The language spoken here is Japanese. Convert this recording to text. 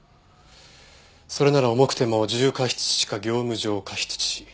それなら重くても重過失致死か業務上過失致死。